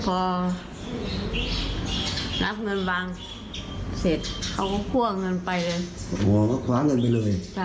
โอ้โฮก็คว้าเงินไปเลย